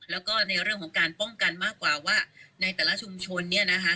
แล้วก็ในเรื่องของการป้องกันมากกว่าว่าในแต่ละชุมชนเนี่ยนะคะ